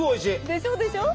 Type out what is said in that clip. でしょ？でしょ？